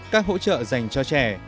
ba một các hỗ trợ dành cho trẻ